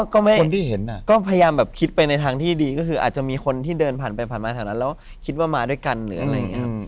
ก็พยายามคิดไปหน่ายทางที่ดีก็คือมีคนที่เดินไปผ่านมาถะงั้นแล้วคิดว่ามาด้วยกันหรืออะไรอย่าง